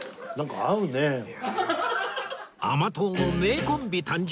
甘党の名コンビ誕生